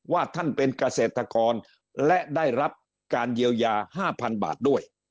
ว่าท่านเป็นเกษตรกรและได้รับการเยียวยา๕๐๐๐บาทด้วย